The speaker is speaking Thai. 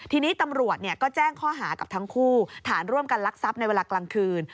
ทีนี้ตำรวจก็แจ้งข้อหากับทั้งคู่ฐานร่วมกันลักทรัพย์ในเวลากลางคืน